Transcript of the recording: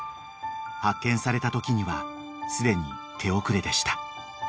［発見されたときにはすでに手遅れでした］